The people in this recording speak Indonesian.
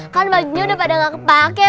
kan baginya udah pada gak kepake